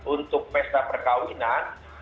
untuk pesta perkawinan